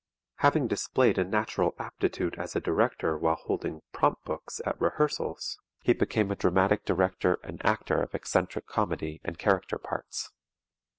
Having displayed a natural aptitude as a director while holding "prompt books" at rehearsals, he became a dramatic director and actor of eccentric comedy and character parts.